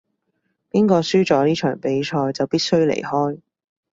邊個輸咗呢場比賽就必須離開